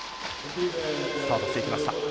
スタートしていきました。